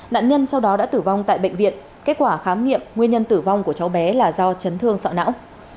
nạn nhân sau đó đã tử vong tại bệnh viện kết quả khám nghiệm nguyên nhân tử vong của cháu bé là do chấn thương sọ não